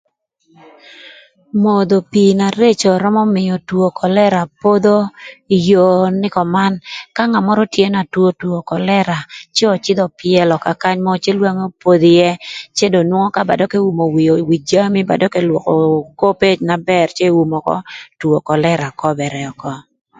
Modho pii na reco römö mïö two kölëra podho ï yoo nï köman; ka ngat mörö tye na two two kölëra, co öcïdhö öpyëlö ka kany mörö cë lwangi opodho ïë cë do nwongo ka ba dök eumo wii jami ba dök ëlwökö okope na bër cë eumo ökö, two kölëra köbërë ökö.